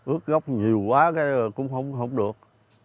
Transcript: ướt gốc nhiều quá cũng không được